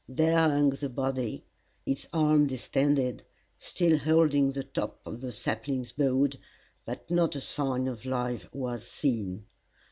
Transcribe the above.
There hung the body, its arms distended, still holding the tops of the saplings bowed, but not a sign of life was seen.